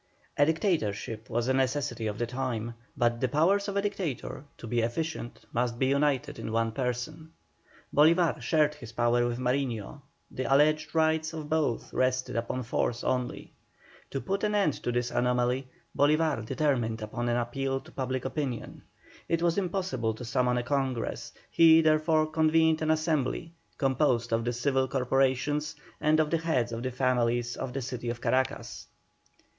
A Dictatorship was a necessity of the time, but the powers of a Dictator to be efficient must be united in one person. Bolívar shared his power with Mariño, the alleged rights of both rested upon force only. To put an end to this anomaly Bolívar determined upon an appeal to public opinion. It was impossible to summon a Congress, he therefore convened an Assembly composed of the civil corporations and of the heads of families of the city of Caracas.